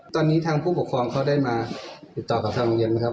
ตอนนี้ทางผู้ปกครองเขาได้มาติดต่อกับทางโรงเรียนไหมครับ